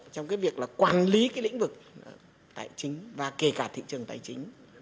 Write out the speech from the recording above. trong cái việc là quản lý cái lĩnh vực tài chính và kể cả thị trường tài chính